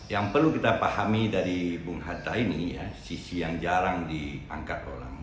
yang perlu kita pahami dari bung hatta ini sisi yang jarang diangkat orang